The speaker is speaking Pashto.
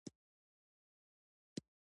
د ښارونو لپاره دپرمختیا پروګرامونه شته دي.